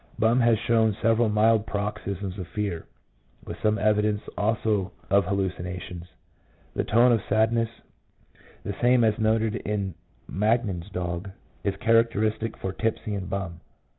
... Bum has shown several mild paroxysms of fear, with some evidence also of hallucina tions. ... The tone of sadness, the same as is noted in Magnan's dog, is characteristic for Tipsy and Bum.